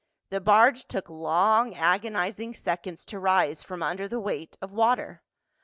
The barge took long, agonizing seconds to rise from under the weight of water.